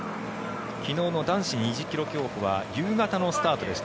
昨日の男子２０ｋｍ競歩は夕方のスタートでした。